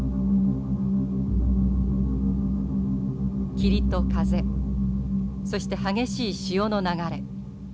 霧と風そして激しい潮の流れ。